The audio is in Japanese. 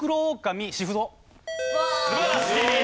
素晴らしい！